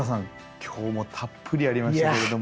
今日もたっぷりありましたけれども。